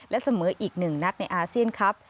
และเสมออีก๑นัดในอาเซียนครับ